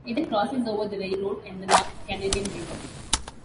It then crosses over the railroad and the North Canadian River.